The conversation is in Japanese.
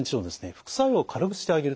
副作用を軽くしてあげる。